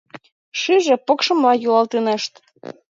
Шыже покшымла йӱлалтынешт.